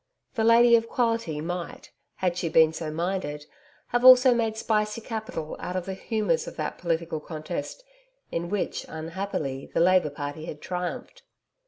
The 'Lady of Quality' might, had she been so minded, have also made spicy capital out of the humours of that political contest in which, unhappily, the Labour Party had triumphed.